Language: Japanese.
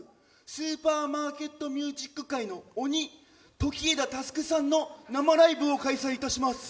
スーパーマーケットミュージック界の鬼時江田佑さんの生ライブを開催いたします